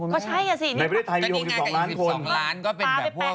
ในประเทศไทยมี๖๒ล้านคน